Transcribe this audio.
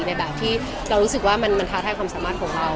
ในแบบที่เรารู้สึกว่ามันท้าทายความสามารถของเรา